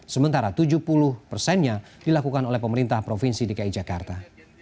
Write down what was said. sementara tujuh puluh persennya dilakukan oleh pemerintah provinsi dki jakarta